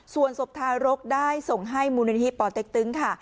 ส่วนศพทารกได้ส่งให้มูลนิธิป่อเต็กตึงค่ะ